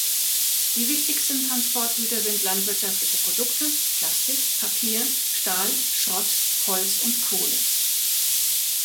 Die wichtigsten Transportgüter sind landwirtschaftliche Produkte, Plastik, Papier, Stahl, Schrott, Holz und Kohle.